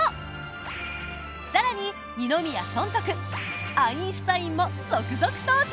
更に二宮尊徳アインシュタインも続々登場！